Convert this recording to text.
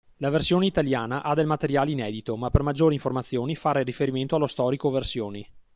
La versione italiana ha del materiale inedito ma per maggiori informazioni fare riferimento allo storico versioni.